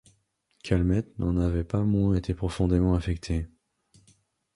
Calmette n'en avait pas moins été profondément affecté.